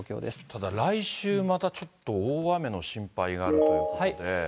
ただ来週またちょっと大雨の心配があるということで。